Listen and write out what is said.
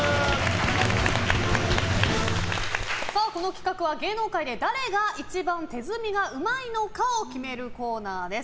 この企画は芸能界で誰が一番手積みがうまいのかを決めるコーナーです。